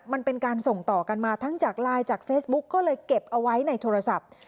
มันเป็นการส่งต่อกันมาทั้งจากไลน์จากเฟซบุ๊กก็เลยเก็บเอาไว้ในโทรศัพท์